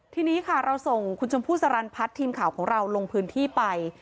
ทีนี้ค่ะเราส่งคุณชมพู่สรรพัฒน์ทีมข่าวของเราลงพื้นที่ไป